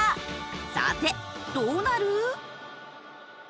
さてどうなる！？